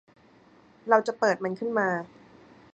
เราจะเปิดมันขึ้นมา